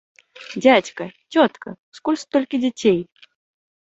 Дзядзька, цётка, скуль столькі дзяцей?